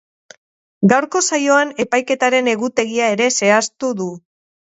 Gaurko saioan epaiketaren egutegia ere zehaztu du.